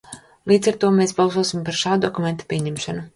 Līdz ar to mēs balsosim par šā dokumenta pieņemšanu.